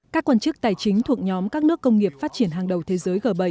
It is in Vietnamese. các quan chức tài chính thuộc nhóm các nước công nghiệp phát triển hàng đầu thế giới g bảy